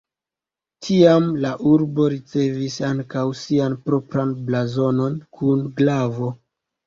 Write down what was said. Tiam la urbo ricevis ankaŭ sian propran blazonon kun glavo.